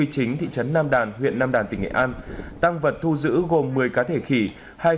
chính thị trấn nam đàn huyện nam đàn tỉnh nghệ an tăng vật thu giữ gồm một mươi cá thể khỉ